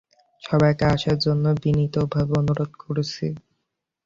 সবাইকে আসার জন্য বিনীতভাবে অনুরোধ করছি।